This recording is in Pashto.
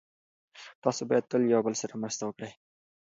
تاسو باید تل یو بل سره مرسته وکړئ.